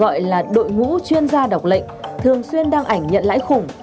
gọi là đội ngũ chuyên gia độc lệnh thường xuyên đăng ảnh nhận lãi khủng